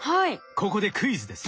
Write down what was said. ここでクイズです。